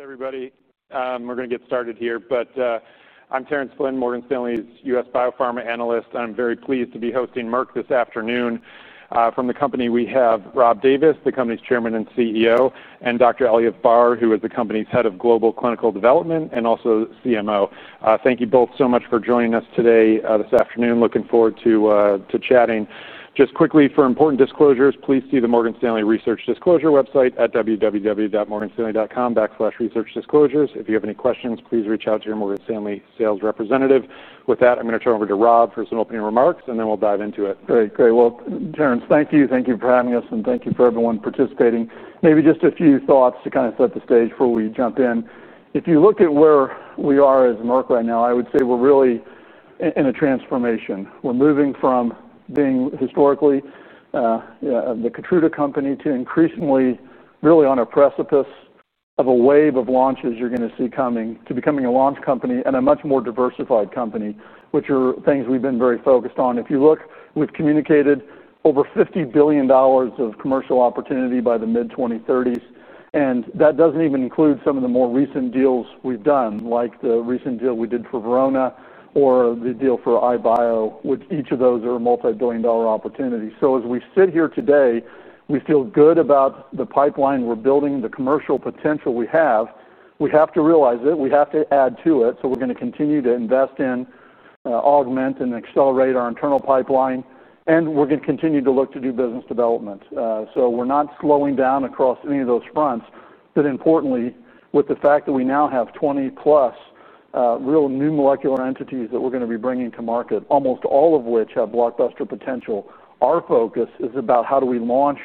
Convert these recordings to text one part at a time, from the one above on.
Everybody, we're going to get started here, but I'm Terence Flynn, Morgan Stanley's U.S. biopharma analyst, and I'm very pleased to be hosting Merck & Co., Inc. this afternoon. From the company, we have Robert M. Davis, the company's Chairman and CEO, and Dr. Eliav Barr, who is the company's Head of Global Clinical Development and also CMO. Thank you both so much for joining us today this afternoon. Looking forward to chatting. Just quickly, for important disclosures, please see the Morgan Stanley research disclosure website at www.morganstanley.com/researchdisclosures. If you have any questions, please reach out to your Morgan Stanley sales representative. With that, I'm going to turn over to Rob for some opening remarks, and then we'll dive into it. Great, great. Terence, thank you. Thank you for having us, and thank you for everyone participating. Maybe just a few thoughts to kind of set the stage before we jump in. If you look at where we are as Merck & Co., Inc. right now, I would say we're really in a transformation. We're moving from being historically the KEYTRUDA company to increasingly really on a precipice of a wave of launches you're going to see coming to becoming a launch company and a much more diversified company, which are things we've been very focused on. If you look, we've communicated over $50 billion of commercial opportunity by the mid-2030s, and that doesn't even include some of the more recent deals we've done, like the recent deal we did for Verona Pharma or the deal for iBio, which each of those are a multi-billion dollar opportunity. As we sit here today, we feel good about the pipeline we're building, the commercial potential we have. We have to realize it. We have to add to it. We're going to continue to invest in, augment, and accelerate our internal pipeline, and we're going to continue to look to do business development. We're not slowing down across any of those fronts. Importantly, with the fact that we now have 20+ real new molecular entities that we're going to be bringing to market, almost all of which have blockbuster potential, our focus is about how do we launch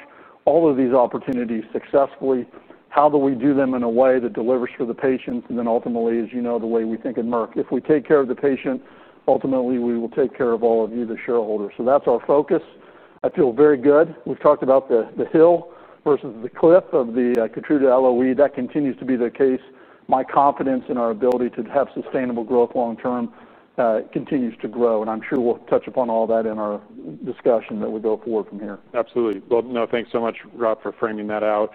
all of these opportunities successfully? How do we do them in a way that delivers for the patient? Ultimately, as you know, the way we think in Merck & Co., Inc., if we take care of the patient, ultimately we will take care of all of you, the shareholders. That's our focus. I feel very good. We've talked about the hill versus the cliff of the KEYTRUDA LoE. That continues to be the case. My confidence in our ability to have sustainable growth long term continues to grow, and I'm sure we'll touch upon all that in our discussion that we go forward from here. Absolutely. No, thanks so much, Rob, for framing that out.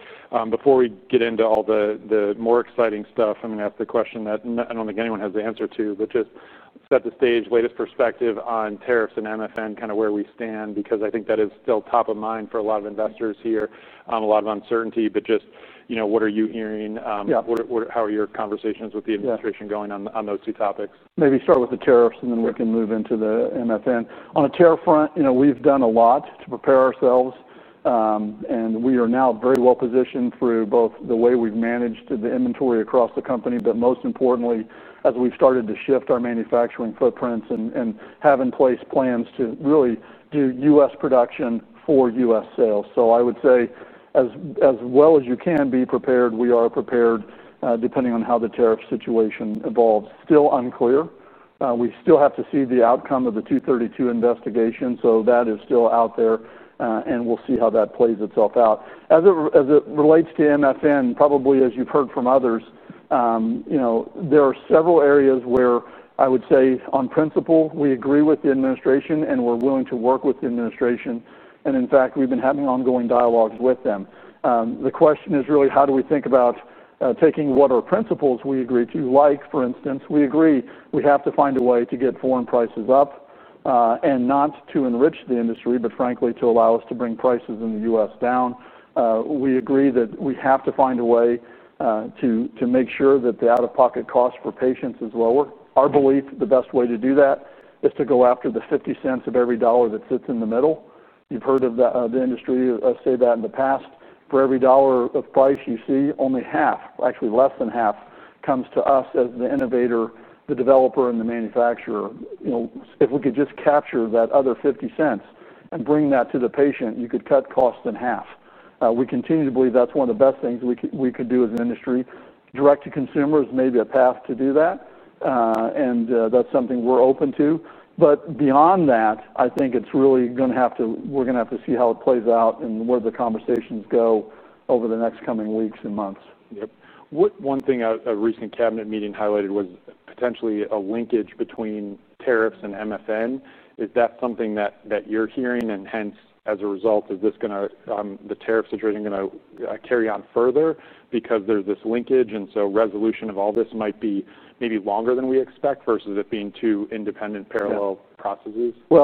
Before we get into all the more exciting stuff, I'm going to ask the question that I don't think anyone has the answer to, but just to set the stage, latest perspective on tariffs and MFN, kind of where we stand, because I think that is still top of mind for a lot of investors here. A lot of uncertainty, but just, you know, what are you hearing? How are your conversations with the administration going on those two topics? Maybe start with the tariffs, and then we can move into the MFN. On the tariff front, we've done a lot to prepare ourselves, and we are now very well positioned through both the way we've managed the inventory across the company, but most importantly, as we've started to shift our manufacturing footprints and have in place plans to really do U.S. production for U.S. sales. I would say as well as you can be prepared, we are prepared, depending on how the tariff situation evolves. Still unclear. We still have to see the outcome of the Section 232 investigation, so that is still out there, and we'll see how that plays itself out. As it relates to MFN, probably as you've heard from others, there are several areas where I would say on principle we agree with the administration and we're willing to work with the administration. In fact, we've been having ongoing dialogue with them. The question is really how do we think about taking what are principles we agree to, like for instance, we agree we have to find a way to get foreign prices up, and not to enrich the industry, but frankly to allow us to bring prices in the U.S. down. We agree that we have to find a way to make sure that the out-of-pocket cost for patients is lower. Our belief, the best way to do that is to go after the $0.50 of every dollar that sits in the middle. You've heard the industry say that in the past. For $1 of price you see, only $0.50, actually less than $0.50, comes to us as the innovator, the developer, and the manufacturer. If we could just capture that other $0.50 and bring that to the patient, you could cut costs in half. We continue to believe that's one of the best things we could do as an industry. Direct to consumers may be a path to do that, and that's something we're open to. Beyond that, I think we're going to have to see how it plays out and where the conversations go over the next coming weeks and months. Yep. One thing a recent cabinet meeting highlighted was potentially a linkage between tariffs and MFN. Is that something that you're hearing? As a result, is this going to, the tariff situation going to carry on further because there's this linkage? Resolution of all this might be maybe longer than we expect versus it being two independent parallel processes. I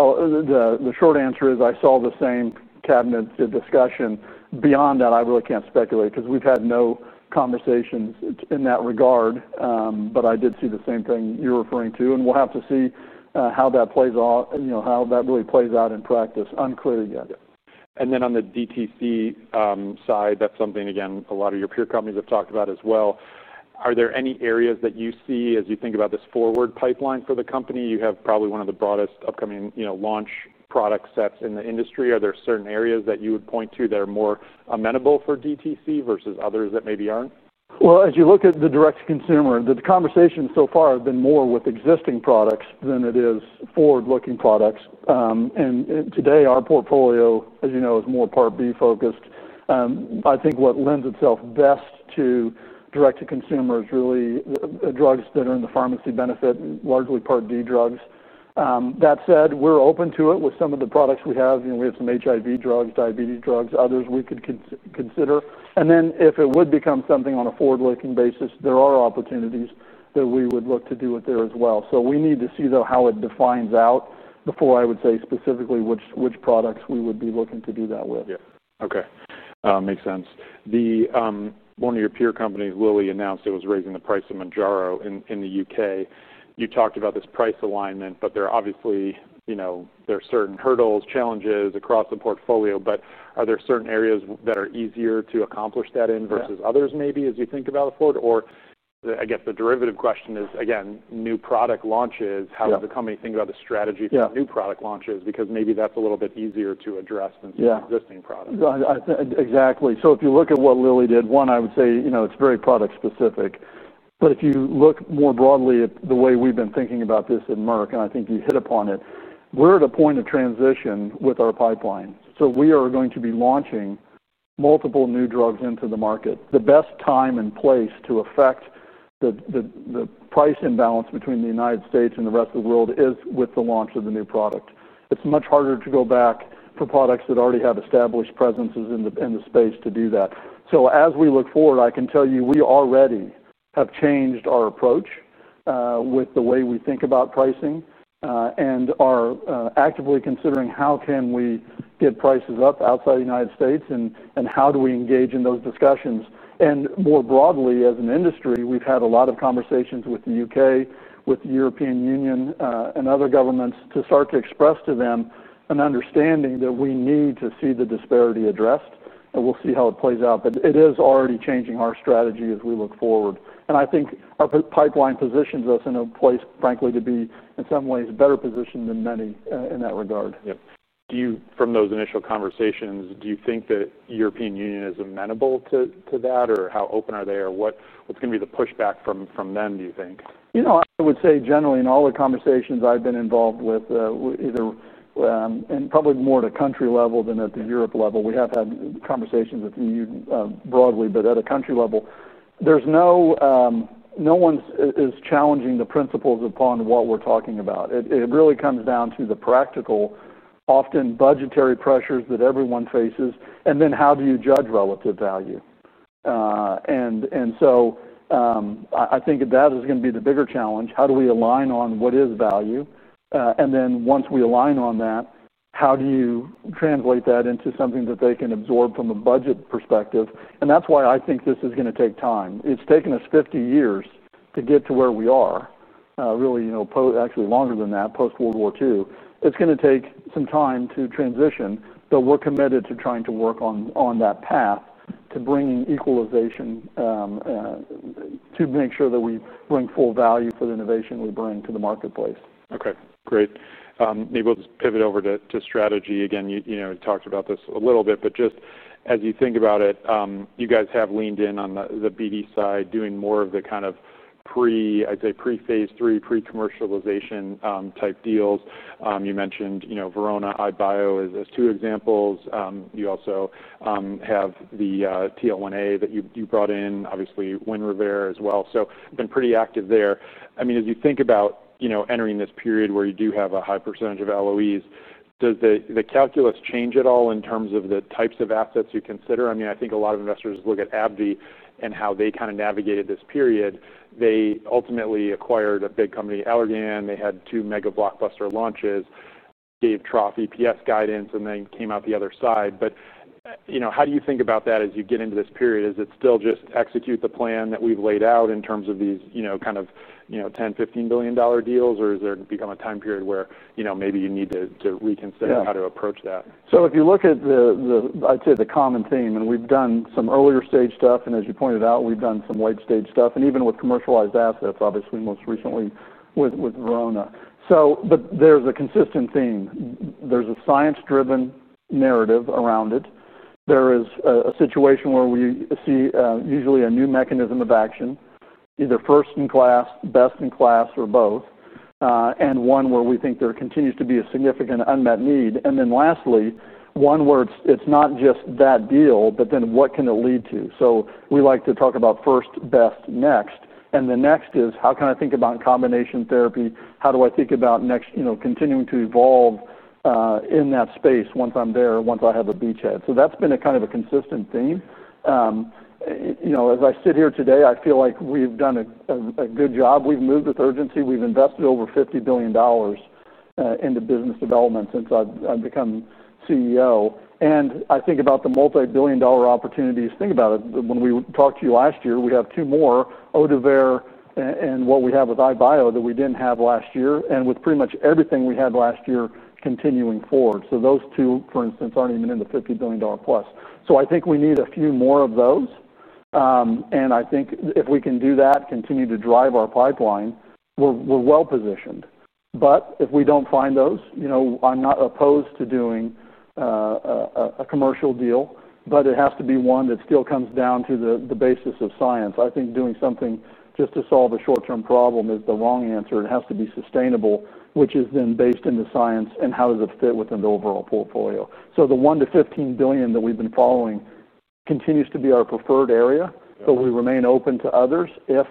saw the same cabinet discussion. Beyond that, I really can't speculate because we've had no conversations in that regard. I did see the same thing you're referring to, and we'll have to see how that plays out in practice. Unclear yet. On the DTC side, that's something a lot of your peer companies have talked about as well. Are there any areas that you see as you think about this forward pipeline for the company? You have probably one of the broadest upcoming launch product sets in the industry. Are there certain areas that you would point to that are more amenable for DTC versus others that maybe aren't? As you look at the direct-to-consumer, the conversations so far have been more with existing products than it is forward-looking products. Today, our portfolio, as you know, is more Part B focused. I think what lends itself best to direct-to-consumer is really the drugs that are in the pharmacy benefit, largely Part D drugs. That said, we're open to it with some of the products we have. You know, we have some HIV drugs, diabetes drugs, others we could consider. If it would become something on a forward-looking basis, there are opportunities that we would look to do it there as well. We need to see, though, how it defines out before I would say specifically which products we would be looking to do that with. Yes. Okay. Makes sense. One of your peer companies, Lilly, announced it was raising the price of Mounjaro in the UK. You talked about this price alignment, but there are obviously certain hurdles, challenges across the portfolio. Are there certain areas that are easier to accomplish that in versus others maybe as you think about the forward? I guess the derivative question is, again, new product launches, how does the company think about the strategy for new product launches? Maybe that's a little bit easier to address than just existing products. Exactly. If you look at what Lilly did, one, I would say, you know, it's very product specific. If you look more broadly at the way we've been thinking about this in Merck & Co., Inc., and I think you hit upon it, we're at a point of transition with our pipeline. We are going to be launching multiple new drugs into the market. The best time and place to affect the price imbalance between the U.S. and the rest of the world is with the launch of the new product. It's much harder to go back for products that already have established presences in the space to do that. As we look forward, I can tell you we already have changed our approach with the way we think about pricing, and are actively considering how we can get prices up outside the U.S. and how we engage in those discussions. More broadly, as an industry, we've had a lot of conversations with the UK, with the European Union, and other governments to start to express to them an understanding that we need to see the disparity addressed. We'll see how it plays out. It is already changing our strategy as we look forward. I think our pipeline positions us in a place, frankly, to be in some ways better positioned than many in that regard. Yeah. From those initial conversations, do you think that the European Union is amenable to that, or how open are they, or what's going to be the pushback from them, do you think? I would say generally in all the conversations I've been involved with, probably more at a country level than at the Europe level, we have had conversations with the EU broadly, but at a country level, no one is challenging the principles upon what we're talking about. It really comes down to the practical, often budgetary pressures that everyone faces. How do you judge relative value? I think that is going to be the bigger challenge. How do we align on what is value? Once we align on that, how do you translate that into something that they can absorb from a budget perspective? That's why I think this is going to take time. It's taken us 50 years to get to where we are, actually longer than that, post-World War II. It's going to take some time to transition, but we're committed to trying to work on that path to bringing equalization, to make sure that we bring full value for the innovation we bring to the marketplace. Okay. Great. Maybe we'll just pivot over to strategy. Again, you talked about this a little bit, but just as you think about it, you guys have leaned in on the BD side, doing more of the kind of pre, I'd say, pre-phase three, pre-commercialization type deals. You mentioned, you know, Verona Pharma, iBio as two examples. You also have the TL1A that you brought in, obviously, WINREVAIR as well. I've been pretty active there. As you think about entering this period where you do have a high percentage of LOEs, does the calculus change at all in terms of the types of assets you consider? I think a lot of investors look at AbbVie and how they kind of navigated this period. They ultimately acquired a big company, Allergan. They had two mega blockbuster launches, gave trough EPS guidance, and then came out the other side. How do you think about that as you get into this period? Is it still just execute the plan that we've laid out in terms of these, you know, kind of, you know, $10 billion, $15 billion deals, or has there become a time period where maybe you need to reconsider how to approach that? If you look at the, I'd say the common theme, we've done some earlier stage stuff, and as you pointed out, we've done some late stage stuff, and even with commercialized assets, obviously most recently with Verona. There's a consistent theme. There's a science-driven narrative around it. There is a situation where we see, usually a new mechanism of action, either first in class, best in class, or both, and one where we think there continues to be a significant unmet need. Lastly, it's not just that deal, but then what can it lead to? We like to talk about first, best, next. The next is how can I think about combination therapy? How do I think about next, continuing to evolve in that space once I'm there, once I have a beachhead? That's been a kind of a consistent theme. As I sit here today, I feel like we've done a good job. We've moved with urgency. We've invested over $50 billion into business development since I've become CEO. I think about the multi-billion dollar opportunities. Think about it. When we talked to you last year, we have two more, Odiver and what we have with iBio that we didn't have last year, and with pretty much everything we had last year continuing forward. Those two, for instance, aren't even in the $50+ billion. I think we need a few more of those. If we can do that, continue to drive our pipeline, we're well positioned. If we don't find those, I'm not opposed to doing a commercial deal, but it has to be one that still comes down to the basis of science. I think doing something just to solve a short-term problem is the wrong answer. It has to be sustainable, which is then based in the science and how does it fit within the overall portfolio. The $1 billion to $15 billion that we've been following continues to be our preferred area, but we remain open to others if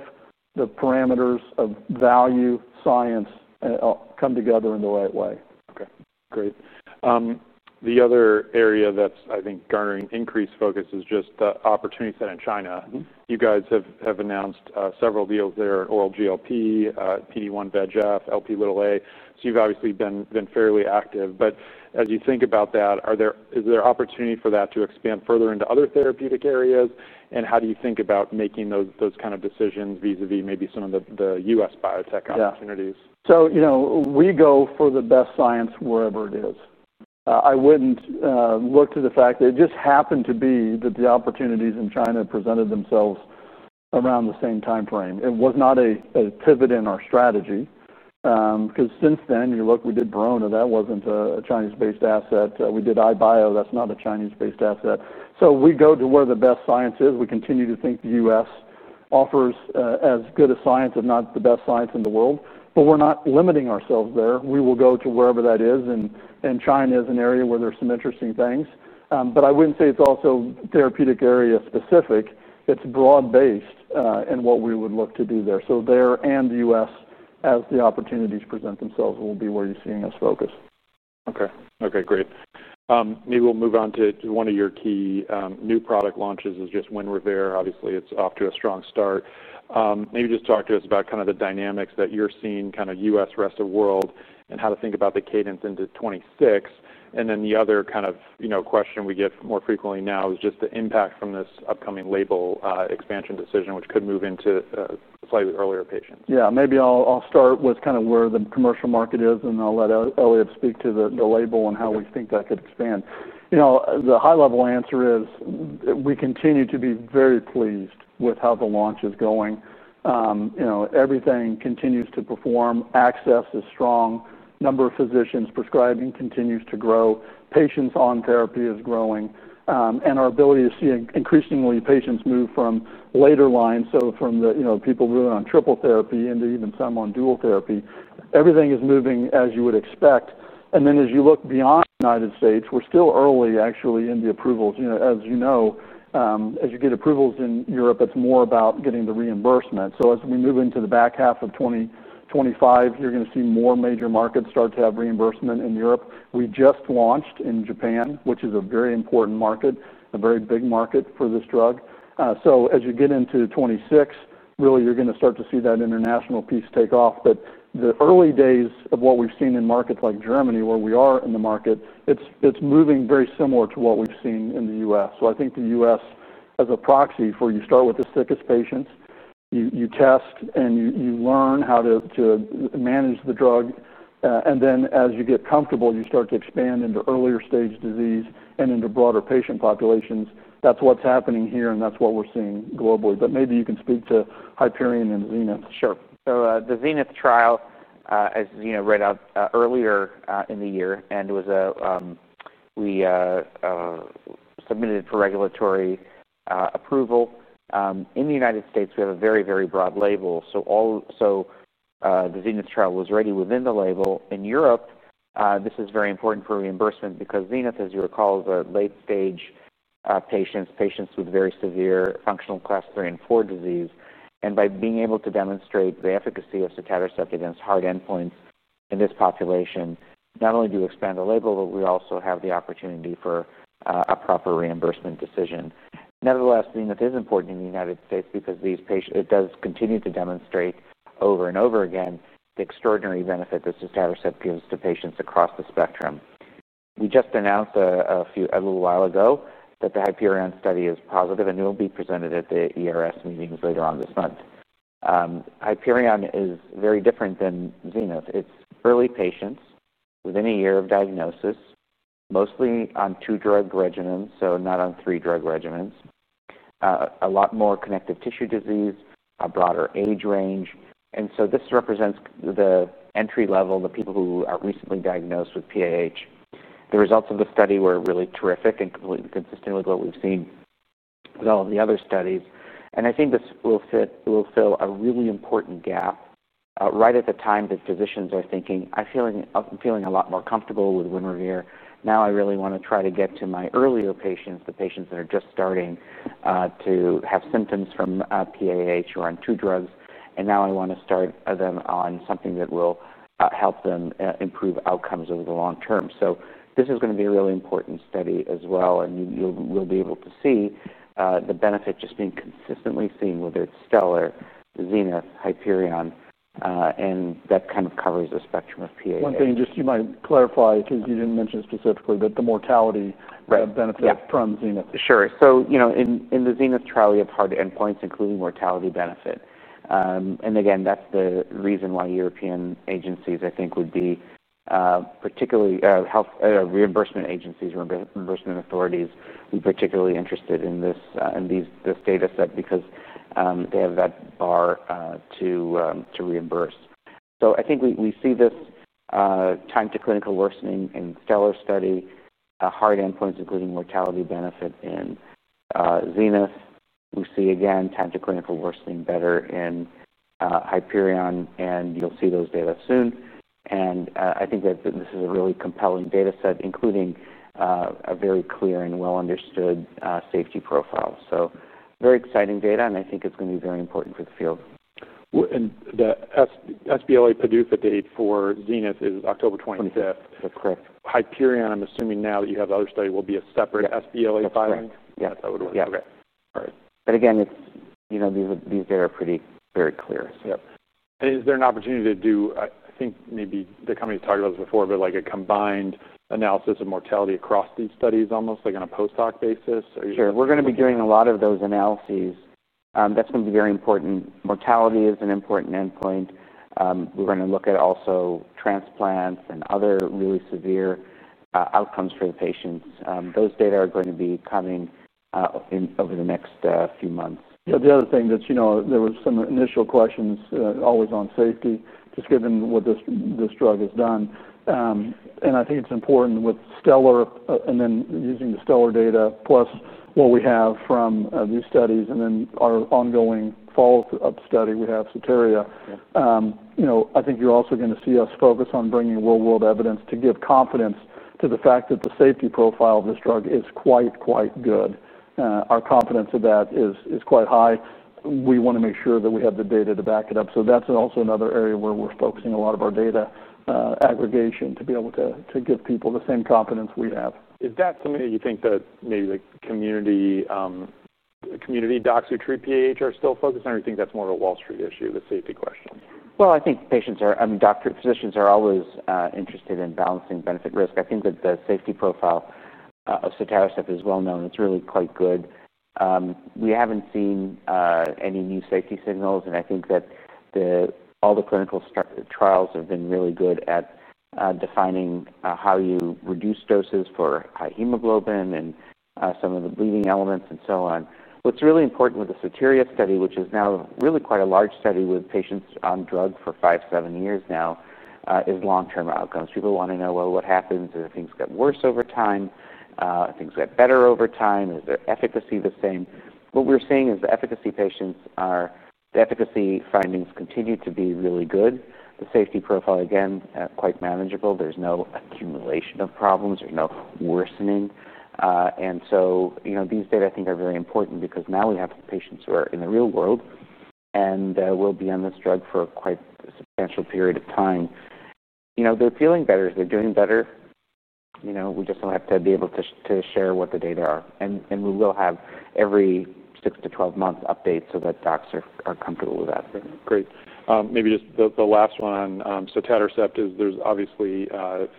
the parameters of value, science, and all come together in the right way. Okay. Great. The other area that's, I think, garnering increased focus is just the opportunity set in China. You guys have announced several deals there, at OilGLP, PD1BGF, LPAA. You've obviously been fairly active. As you think about that, is there opportunity for that to expand further into other therapeutic areas? How do you think about making those kind of decisions vis-à-vis maybe some of the U.S. biotech opportunities? Yeah. We go for the best science wherever it is. I wouldn't look to the fact that it just happened to be that the opportunities in China presented themselves around the same timeframe. It was not a pivot in our strategy. Since then, you look, we did Verona Pharma. That wasn't a China-based asset. We did iBio. That's not a China-based asset. We go to where the best science is. We continue to think the U.S. offers as good a science, if not the best science in the world. We're not limiting ourselves there. We will go to wherever that is. China is an area where there's some interesting things. I wouldn't say it's also therapeutic area specific. It's broad-based in what we would look to do there. There and the U.S., as the opportunities present themselves, will be where you're seeing us focus. Okay. Great. Maybe we'll move on to one of your key new product launches, which is just WINREVAIR. Obviously, it's off to a strong start. Maybe just talk to us about kind of the dynamics that you're seeing, kind of U.S., rest of the world, and how to think about the cadence into 2026. The other kind of, you know, question we get more frequently now is just the impact from this upcoming label expansion decision, which could move into a slightly earlier patient. Maybe I'll start with kind of where the commercial market is, and I'll let Eliav speak to the label and how we think that could expand. The high-level answer is we continue to be very pleased with how the launch is going. Everything continues to perform. Access is strong. Number of physicians prescribing continues to grow. Patients on therapy is growing, and our ability to see increasingly patients move from later lines, so from the people really on triple therapy into even some on dual therapy. Everything is moving as you would expect. As you look beyond the U.S., we're still early, actually, in the approvals. As you know, as you get approvals in Europe, it's more about getting the reimbursement. As we move into the back half of 2025, you're going to see more major markets start to have reimbursement in Europe. We just launched in Japan, which is a very important market, a very big market for this drug. As you get into 2026, really, you're going to start to see that international piece take off. The early days of what we've seen in markets like Germany, where we are in the market, it's moving very similar to what we've seen in the U.S. I think the U.S., as a proxy for you, start with the sickest patients. You test and you learn how to manage the drug, and then as you get comfortable, you start to expand into earlier stage disease and into broader patient populations. That's what's happening here, and that's what we're seeing globally. Maybe you can speak to HYPERION and ZENITH. Sure. The ZENITH trial, as you know, read out earlier in the year, and we submitted for regulatory approval. In the U.S., we have a very, very broad label. The ZENITH trial was ready within the label. In Europe, this is very important for reimbursement because ZENITH, as you recall, is late stage, patients with very severe functional class III and IV disease. By being able to demonstrate the efficacy of cetabircept against hard endpoints in this population, not only do we expand the label, but we also have the opportunity for a proper reimbursement decision. Nevertheless, ZENITH is important in the U.S. because these patients continue to demonstrate over and over again the extraordinary benefit that cetabircept gives to patients across the spectrum. We just announced a little while ago that the HYPERION study is positive, and it will be presented at the ERS meetings later on this month. HYPERION is very different than ZENITH. It's early patients within a year of diagnosis, mostly on two-drug regimens, not on three-drug regimens, a lot more connective tissue disease, a broader age range. This represents the entry level, the people who are recently diagnosed with PAH. The results of the study were really terrific and completely consistent with what we've seen with all of the other studies. I think this will fill a really important gap, right at the time that physicians are thinking, "I'm feeling a lot more comfortable with WINREVAIR. Now I really want to try to get to my earlier patients, the patients that are just starting to have symptoms from PAH or on two drugs, and now I want to start them on something that will help them improve outcomes over the long term." This is going to be a really important study as well, and you'll be able to see the benefit just being consistently seen, whether it's STELLAR, ZENITH, HYPERION, and that kind of covers the spectrum of PAH. One thing, just you might clarify, since you didn't mention it specifically, that the mortality benefit from ZENITH. Sure. In the ZENITH trial, we have hard endpoints, including mortality benefit. That's the reason why European agencies, particularly health reimbursement agencies or reimbursement authorities, would be particularly interested in this data set because they have that bar to reimburse. I think we see this time to clinical worsening in Stelar study, hard endpoints, including mortality benefit in ZENITH. We see time to clinical worsening better in HYPERION, and you'll see those data soon. I think that this is a really compelling data set, including a very clear and well-understood safety profile. Very exciting data, and I think it's going to be very important for the field. The sBLA PDUFA date for ZENITH is October 25. 25th. Correct. HYPERION, I'm assuming now that you have the other study, will be a separate sBLA filing? Correct. Yeah. Yeah, that would work. Okay. All right. These data are pretty, very clear. Is there an opportunity to do, I think maybe the company has talked about this before, but like a combined analysis of mortality across these studies almost, like on a postdoc basis? Sure. We're going to be doing a lot of those analyses. That's going to be very important. Mortality is an important endpoint. We're going to look at also transplants and other really severe outcomes for the patients. Those data are going to be coming in over the next few months. Yeah. The other thing that, you know, there were some initial questions, always on safety, just given what this drug has done. I think it's important with STELLAR and then using the STELLAR data plus what we have from these studies and then our ongoing follow-up study we have, SOTERIA. I think you're also going to see us focus on bringing real-world evidence to give confidence to the fact that the safety profile of this drug is quite, quite good. Our confidence of that is quite high. We want to make sure that we have the data to back it up. That's also another area where we're focusing a lot of our data aggregation to be able to give people the same confidence we have. Is that something that you think that maybe the community, the community docs who treat PAH are still focused on, or do you think that's more of a Wall Street issue, the safety question? I think patients are, I mean, doctors, physicians are always interested in balancing benefit-risk. I think that the safety profile of cetabircept is well known. It's really quite good. We haven't seen any new safety signals, and I think that all the clinical trials have been really good at defining how you reduce doses for high hemoglobin and some of the bleeding elements and so on. What's really important with the SOTERIA study, which is now really quite a large study with patients on drug for five, seven years now, is long-term outcomes. People want to know, what happens? Do things get worse over time? Do things get better over time? Is the efficacy the same? What we're seeing is the efficacy patients are, the efficacy findings continue to be really good. The safety profile, again, quite manageable. There's no accumulation of problems. There's no worsening. These data, I think, are very important because now we have patients who are in the real world and will be on this drug for quite a substantial period of time. They're feeling better. They're doing better. We just don't have to be able to share what the data are. We will have every 6- 12 month updates so that docs are comfortable with that. Great. Maybe just the last one on cetabircept is there's obviously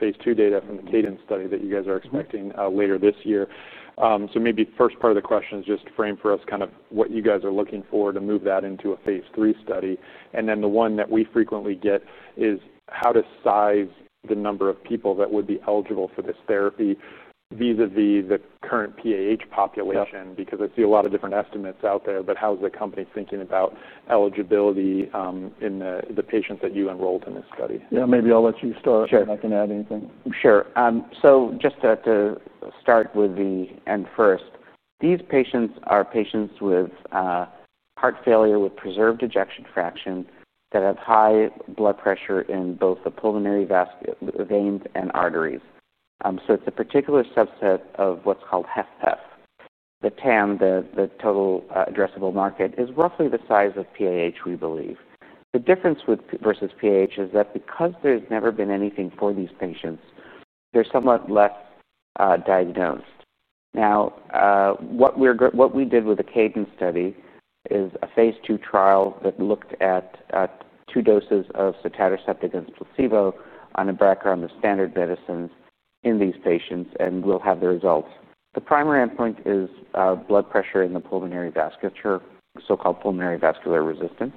phase two data from the Cadence study that you guys are expecting later this year. The first part of the question is just to frame for us kind of what you guys are looking for to move that into a phase three study. The one that we frequently get is how to size the number of people that would be eligible for this therapy vis-à-vis the current PAH population because I see a lot of different estimates out there. How is the company thinking about eligibility in the patients that you enrolled in this study? Maybe I'll let you start and I can add anything. Sure. Just to start with the end first, these patients are patients with heart failure with preserved ejection fraction that have high blood pressure in both the pulmonary veins and arteries. It's a particular subset of what's called HFpEF. The TAM, the total addressable market, is roughly the size of PAH, we believe. The difference versus PAH is that because there's never been anything for these patients, they're somewhat less diagnosed. What we did with the cadence study is a phase two trial that looked at two doses of cetabircept against placebo on a background of standard medicines in these patients, and we'll have the results. The primary endpoint is blood pressure in the pulmonary vasculature, so-called pulmonary vascular resistance.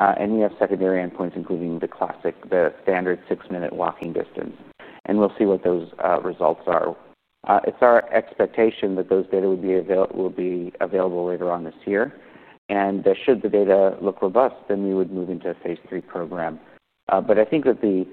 You have secondary endpoints, including the classic, the standard six-minute walking distance. We'll see what those results are. It's our expectation that those data would be available later on this year. Should the data look robust, then we would move into a phase three program. I think that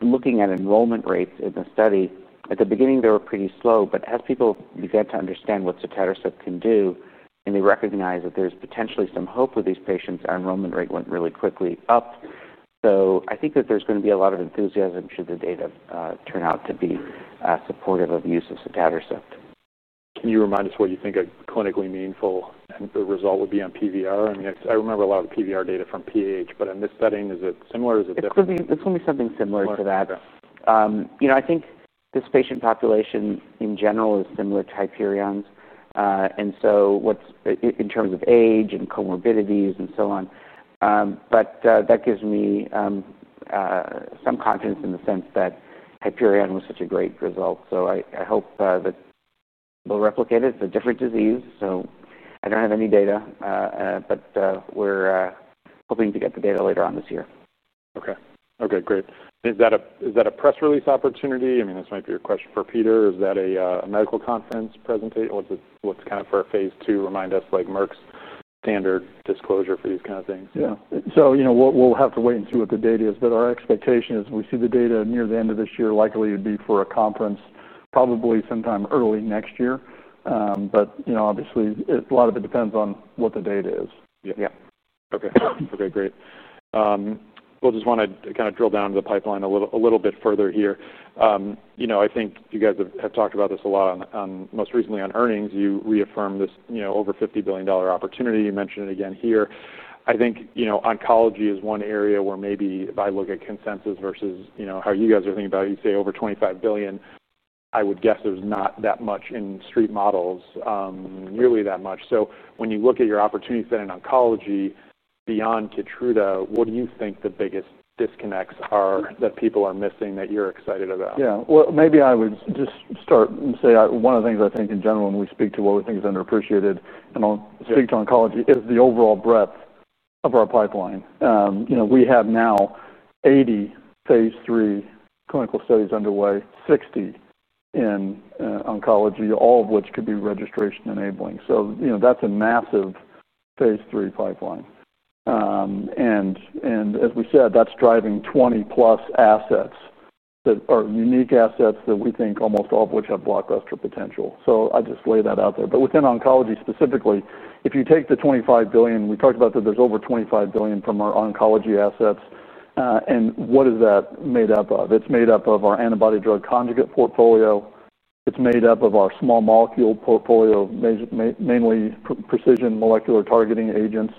looking at enrollment rates in the study, at the beginning, they were pretty slow. As people began to understand what cetabircept can do, and they recognize that there's potentially some hope with these patients, our enrollment rate went really quickly up. I think that there's going to be a lot of enthusiasm should the data turn out to be supportive of the use of cetabircept. Can you remind us what you think a clinically meaningful result would be on PVR? I mean, I remember a lot of the PVR data from PAH, but in this setting, is it similar? Is it different? It's going to be something similar to that. I think this patient population in general is similar to HYPERION in terms of age and comorbidities and so on. That gives me some confidence in the sense that HYPERION was such a great result. I hope that we'll replicate it. It's a different disease. I don't have any data, but we're hoping to get the data later on this year. Okay. Great. Is that a press release opportunity? I mean, this might be a question for Peter. Is that a medical conference presentation? What's it, what's kind of for a phase two, remind us like Merck's standard disclosure for these kind of things? Yeah. We'll have to wait and see what the date is, but our expectation is we see the data near the end of this year. Likely it would be for a conference, probably sometime early next year. Obviously, a lot of it depends on what the date is. Okay. Great. I just want to kind of drill down to the pipeline a little bit further here. I think you guys have talked about this a lot, most recently on earnings. You reaffirmed this over $50 billion opportunity. You mentioned it again here. I think oncology is one area where maybe if I look at consensus versus how you guys are thinking about it, you say over $25 billion. I would guess there's not that much in street models, nearly that much. When you look at your opportunity fit in oncology beyond KEYTRUDA, what do you think the biggest disconnects are that people are missing that you're excited about? Maybe I would just start and say one of the things I think in general when we speak to what we think is underappreciated, and I'll speak to oncology, is the overall breadth of our pipeline. You know, we have now 80 phase III clinical studies underway, 60 in oncology, all of which could be registration enabling. That's a massive phase III pipeline. As we said, that's driving 20+ assets that are unique assets that we think almost all of which have blockbuster potential. I just lay that out there. Within oncology specifically, if you take the $25 billion, we talked about that there's over $25 billion from our oncology assets. What is that made up of? It's made up of our antibody-drug conjugate portfolio, it's made up of our small molecule portfolio, mainly precision molecular targeting agents,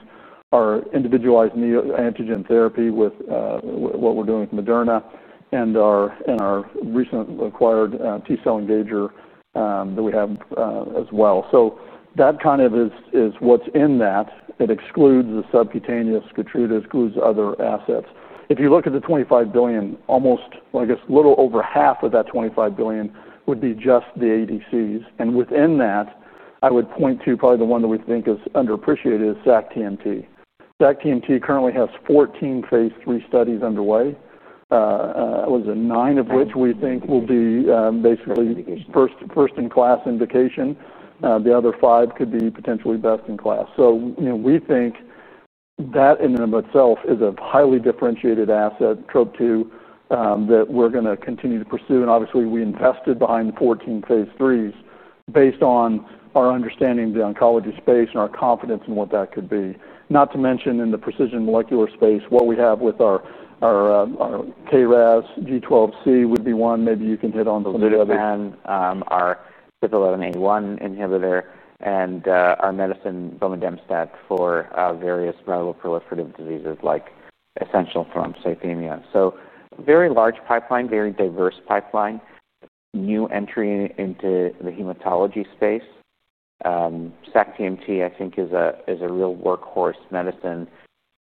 our individualized neoantigen therapy with what we're doing with Moderna, and our recently acquired T-cell engager that we have as well. That kind of is what's in that. It excludes the subcutaneous KEYTRUDA, excludes other assets. If you look at the $25 billion, almost, I guess, a little over 1/2 of that $25 billion would be just the ADCs. Within that, I would point to probably the one that we think is underappreciated, which is sac-TMT. sac-TMT currently has 14 phase III studies underway, nine of which we think will be basically first-in-class indication. The other five could be potentially best-in-class. We think that in and of itself is a highly differentiated asset, TROP2, that we're going to continue to pursue. Obviously, we invested behind the 14 phase IIIs based on our understanding of the oncology space and our confidence in what that could be. Not to mention in the precision molecular space, what we have with our KRAS G12C would be one. Maybe you can hit on those. Our PIF-11A1 inhibitor and our medicine bone and stem cell for various myeloproliferative diseases like essential thrombocytopenia. Very large pipeline, very diverse pipeline, new entry into the hematology space. sac-TMT, I think, is a real workhorse medicine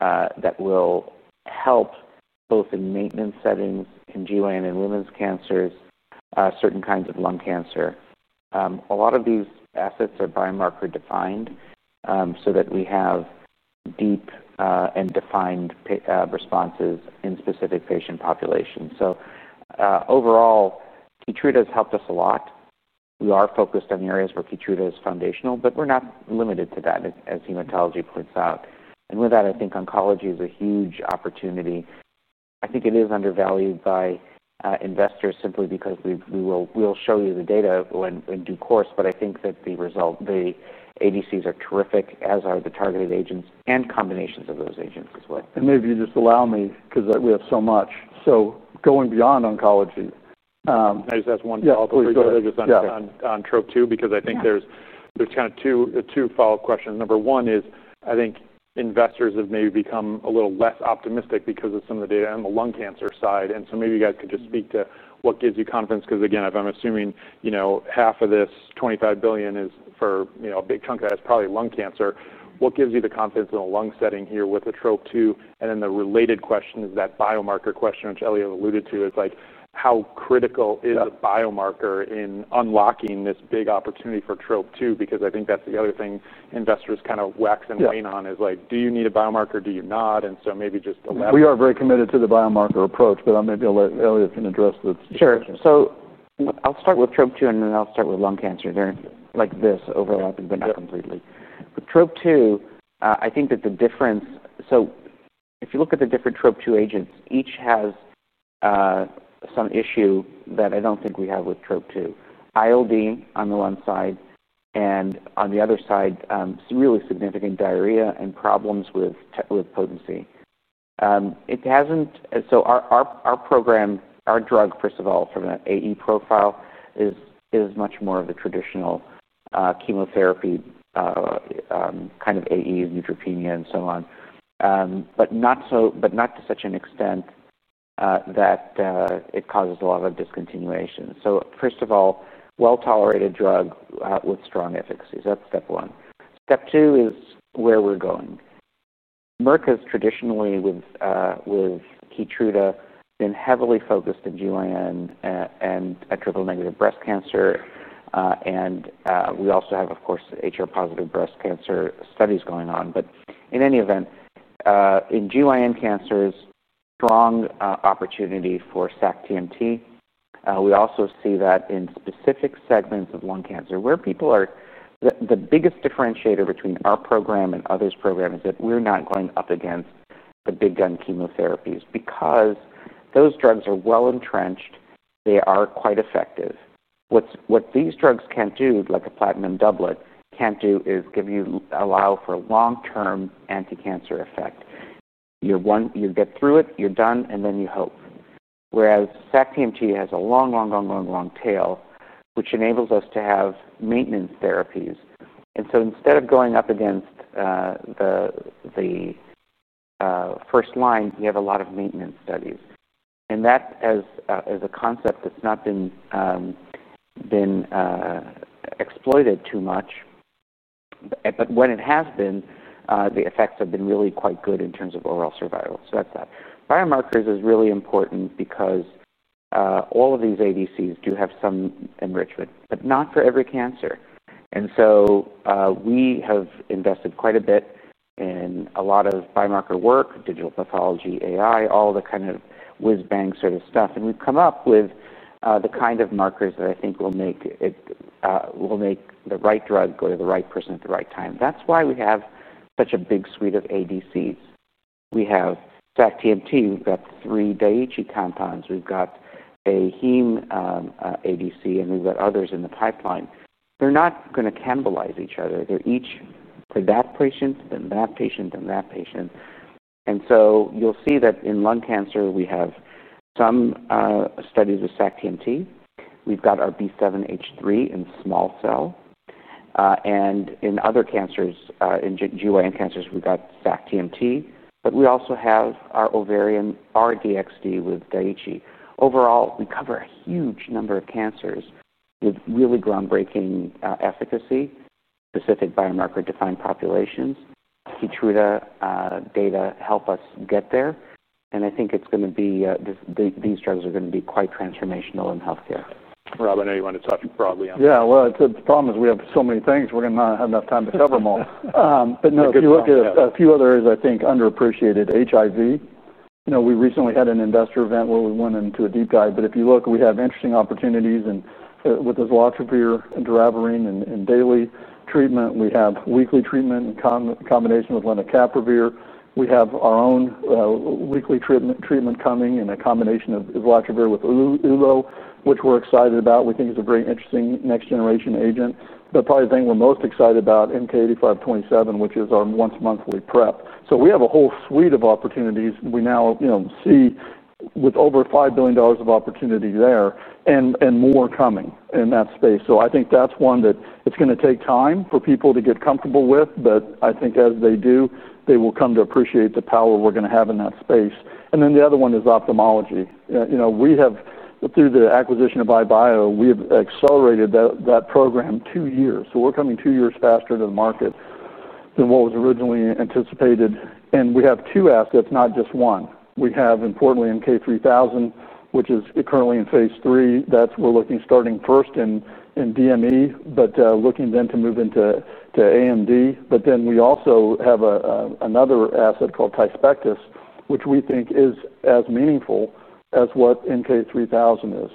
that will help both in maintenance settings, in GYN and women's cancers, certain kinds of lung cancer. A lot of these assets are biomarker defined, so that we have deep and defined responses in specific patient populations. Overall, KEYTRUDA has helped us a lot. We are focused on the areas where KEYTRUDA is foundational, but we're not limited to that as hematology points out. I think oncology is a huge opportunity. I think it is undervalued by investors simply because we will show you the data in due course. I think that the result, the ADCs are terrific, as are the targeted agents and combinations of those agents as well. Maybe just allow me because we have so much. Going beyond oncology, I guess that's one follow-up question. Yeah, please go ahead. Just on TROP2, because I think there's kind of two follow-up questions. Number one is I think investors have maybe become a little less optimistic because of some of the data on the lung cancer side. Maybe you guys could just speak to what gives you confidence, because again, if I'm assuming half of this $25 billion is for a big chunk of that, it's probably lung cancer. What gives you the confidence in the lung setting here with the TROP2? The related question is that biomarker question, which Elliot alluded to. How critical is a biomarker in unlocking this big opportunity for TROP2? I think that's the other thing investors kind of wax and wane on, like do you need a biomarker, do you not? Maybe just elaborate. We are very committed to the biomarker approach, but maybe Eliav can address this. Sure. I'll start with TROP2 and then I'll start with lung cancer. They're like this overlapping, but not completely. With TROP2, I think that the difference, if you look at the different TROP2 agents, each has some issue that I don't think we have with TROP2. ILD on the one side, and on the other side, really significant diarrhea and problems with potency. It hasn't. Our program, our drug, first of all, from an AE profile, is much more of the traditional chemotherapy kind of AE, neutropenia, and so on, but not to such an extent that it causes a lot of discontinuation. First of all, well-tolerated drug with strong efficacy. That's step one. Step two is where we're going. Merck & Co., Inc. has traditionally, with KEYTRUDA, been heavily focused in GYN and triple-negative breast cancer, and we also have, of course, HER2-positive breast cancer studies going on. In any event, in GYN cancers, a strong opportunity for sac-TMT. We also see that in specific segments of lung cancer where people are, the biggest differentiator between our program and others' program is that we're not going up against the big gun chemotherapies because those drugs are well entrenched. They are quite effective. What these drugs can't do, like a platinum doublet, can't do is allow for long-term anti-cancer effect. You get through it, you're done, and then you hope. Whereas sac-TMT has a long, long, long, long, long tail, which enables us to have maintenance therapies. Instead of going up against the first line, you have a lot of maintenance studies. As a concept, that's not been exploited too much. When it has been, the effects have been really quite good in terms of overall survival. That's that. Biomarkers are really important because all of these ADCs do have some enrichment, but not for every cancer. We have invested quite a bit in a lot of biomarker work, digital pathology, AI, all the kind of whiz-bang sort of stuff. We've come up with the kind of markers that I think will make it, will make the right drug go to the right person at the right time. That's why we have such a big suite of ADCs. We have sac-TMT. We've got three Daiichi compounds. We've got a heme ADC, and we've got others in the pipeline. They're not going to cannibalize each other. They're each for that patient, then that patient, then that patient. You'll see that in lung cancer, we have some studies with sac-TMT. We've got our B7H3 in small cell, and in other cancers, in GYN cancers, we've got sac-TMT, but we also have our ovarian RDXD with Daiichi. Overall, we cover a huge number of cancers. We have really groundbreaking efficacy, specific biomarker-defined populations. KEYTRUDA data help us get there. I think it's going to be, these drugs are going to be quite transformational in healthcare. Rob, I know you want to talk broadly on this. Yeah, the problem is we have so many things. We're going to not have enough time to cover them all. If you look at a few other areas, I think underappreciated, HIV. You know, we recently had an investor event where we went into a deep dive. If you look, we have interesting opportunities with azelastomabine and duraviren in daily treatment. We have weekly treatment in combination with lenacapivir. We have our own weekly treatment coming in a combination of azelastomabine with ulo, which we're excited about. We think it's a very interesting next-generation agent. Probably the thing we're most excited about, MK-8527, which is our once-monthly PrEP. We have a whole suite of opportunities. We now see with over $5 billion of opportunity there and more coming in that space. I think that's one that it's going to take time for people to get comfortable with, but I think as they do, they will come to appreciate the power we're going to have in that space. The other one is ophthalmology. We have, through the acquisition of iBio, accelerated that program two years. We're coming two years faster to the market than what was originally anticipated. We have two F's, that's not just one. Importantly, we have MK-3000, which is currently in phase III. We're looking starting first in DME, but looking then to move into AMD. We also have another asset called Tyspectus, which we think is as meaningful as what MK3000 is.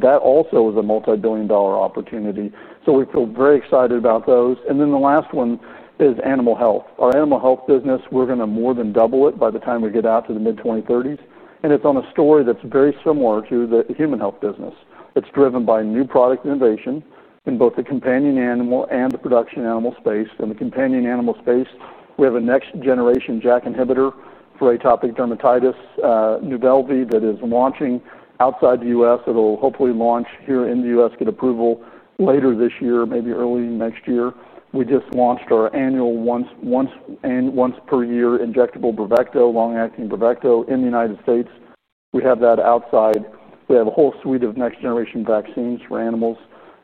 That also is a multi-billion dollar opportunity. We feel very excited about those. The last one is animal health. Our animal health business, we're going to more than double it by the time we get out to the mid-2030s. It's on a story that's very similar to the human health business. It's driven by new product innovation in both the companion animal and the production animal space. In the companion animal space, we have a next-generation JAK inhibitor for atopic dermatitis, Nuvelvy, that is launching outside the U.S. It'll hopefully launch here in the U.S., get approval later this year, maybe early next year. We just launched our annual once-per-year injectable Bravecto, long-acting Bravecto, in the United States. We have that outside. We have a whole suite of next-generation vaccines for animals,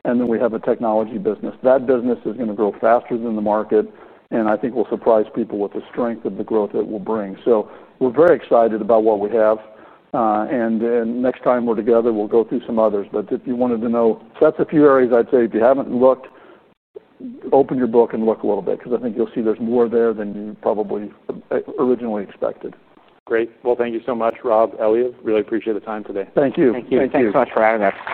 and then we have a technology business. That business is going to grow faster than the market, and I think we'll surprise people with the strength of the growth it will bring. We're very excited about what we have. Next time we're together, we'll go through some others. If you wanted to know, that's a few areas I'd say if you haven't looked, open your book and look a little bit because I think you'll see there's more there than you probably originally expected. Great. Thank you so much, Rob, Eliav. Really appreciate the time today. Thank you. Thank you. Thanks so much. Thanks for having us.